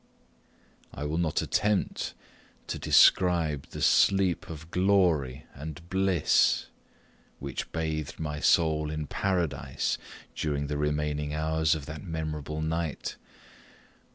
I will not attempt to describe the sleep of glory and bliss which bathed my soul in paradise during the remaining hours of that memorable night.